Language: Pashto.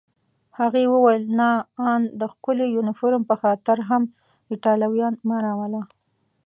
هغې وویل: نه، آن د ښکلي یونیفورم په خاطر هم ایټالویان مه راوله.